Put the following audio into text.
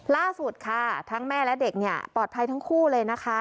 ล่าสุดค่ะทั้งแม่และเด็กเนี่ยปลอดภัยทั้งคู่เลยนะคะ